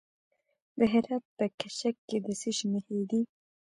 د هرات په کشک کې د څه شي نښې دي؟